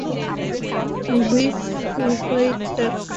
আমি Whip Whitaker.